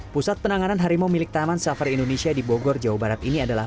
pusat penanganan harimau milik taman safar indonesia di bogor jawa barat ini adalah